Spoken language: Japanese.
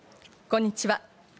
こんにちは。